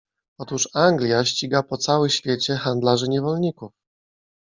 Otóż Anglia ściga po cały świecie handlarzy niewolników.